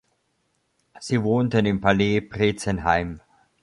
Sie wohnten im Palais Bretzenheim.